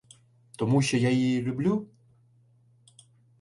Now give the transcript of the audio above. Тому що я її люблю?